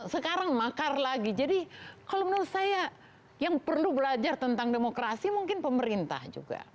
sekarang makar lagi jadi kalau menurut saya yang perlu belajar tentang demokrasi mungkin pemerintah juga